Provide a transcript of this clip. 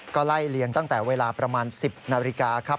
ก็ไล่เลียงตั้งแต่เวลาประมาณ๑๐นาฬิกาครับ